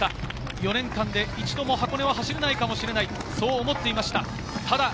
４年間で一度も箱根は走れないかもしれないと思っていました。